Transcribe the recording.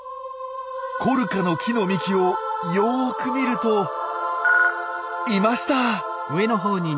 コルカの木の幹をよく見るといました！